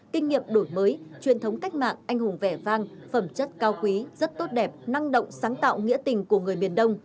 kinh nghiệm đổi mới truyền thống cách mạng anh hùng vẻ vang phẩm chất cao quý rất tốt đẹp năng động sáng tạo nghĩa tình của người miền đông